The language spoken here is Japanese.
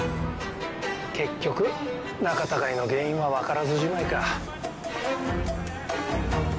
結局仲たがいの原因は分からずじまいか。